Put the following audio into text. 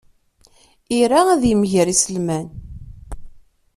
Ira ad yegmer iselman.